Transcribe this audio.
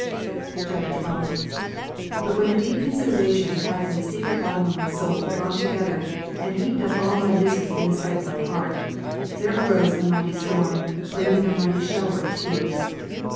[XIL] 28. But when a deep consideration had from the secret bottom of my soul drawn together and heaped up ail my misery in the sight of my heart ; there arose a mighty storm, bringing a mighty shower of tears.